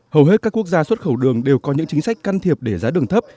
hầu hết các quốc gia xuất khẩu đường đều có những chính sách can thiệp để giá đường thấp